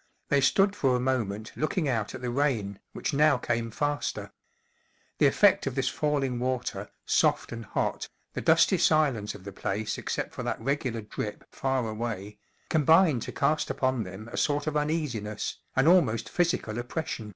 ” They stood for a moment looking out at the rain, which now came faster. The effect of this falling water, soft and hot, the dusty silence of the place except for that regular drip far away, combined to cast upon them a sort of uneasiness, an almost physical oppression.